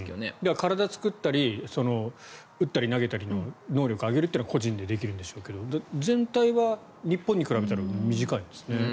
体を作ったり打ったり投げたりの能力を上げるというのは個人でできるんでしょうけど全体は日本に比べたら短いんですね。